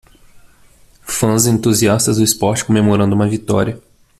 Fãs entusiastas do esporte comemorando uma vitória.